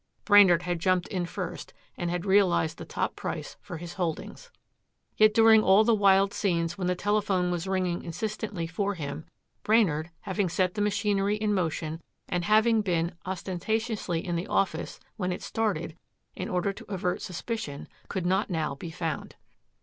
Brainard had jumped in first and had realized the top price for his holdings. Yet during all the wild scenes when the telephone was ringing insistently for him, Brainard, having set the machinery in motion and having been ostentatiously in the office when it started in order to avert suspicion, could not now be found.